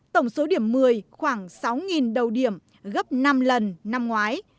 tổng số điểm một mươi khoảng sáu đầu điểm gấp năm lần năm ngoái